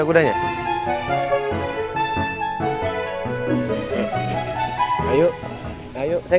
ada dengan indonesia satu